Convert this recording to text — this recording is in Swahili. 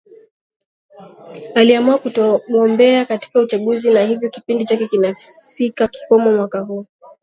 aliamua kutogombea katika uchaguzi na hivyo kipindi chake kinafika kikomo mwaka huu